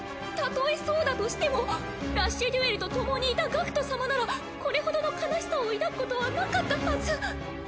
たとえそうだとしてもラッシュデュエルとともにいた学人様ならこれほどの悲しさを抱くことはなかったはず。